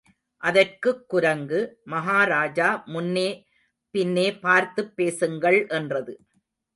அதற்குக் குரங்கு, மகாராஜா முன்னே பின்னே பார்த்துப் பேசுங்கள் என்றது.